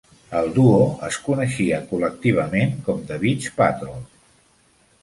El duo es coneixia col·lectivament com The Beach Patrol.